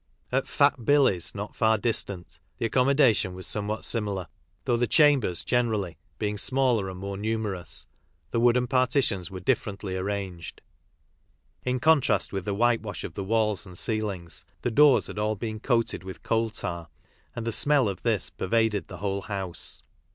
At "Fat Billy's," not far distant, the accommo dation was somewhat similar, though the chambers generally, being smaller and more numerous, the wooden partitions were differently arranged In contrast with the whitewash of the wallslmd ceil, mm, the doors had all been coated with coal tar, and the smell of this pervaded the whole house!